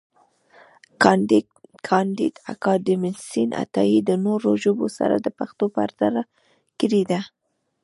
کانديد اکاډميسن عطایي د نورو ژبو سره د پښتو پرتله کړې ده.